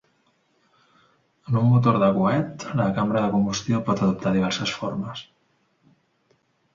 En un motor de coet la cambra de combustió pot adoptar diverses formes.